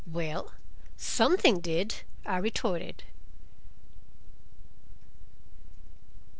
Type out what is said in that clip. "Well, something did," I retorted.